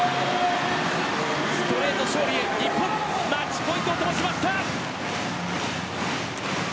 ストレート勝利へ、日本マッチポイントをともしました。